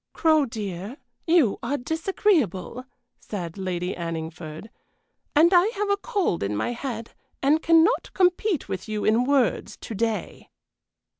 "Crow, dear, you are disagreeable," said Lady Anningford, "and I have a cold in my head and cannot compete with you in words to day."